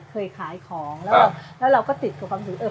เคยขายของแล้วแล้วแล้วเราก็ติดกับความสุดเออ